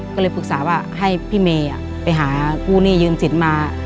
ก็เลยปรึกษาว่าให้พี่เมย์ไปหากู้หนี้ยืมสินมา